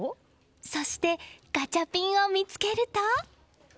そしてガチャピンを見つけると。